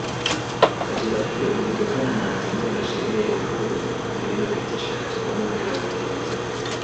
Katiba hiyo ilitokana na azimio la sheria ya uhuru lililopitishwa katika bunge la uingereza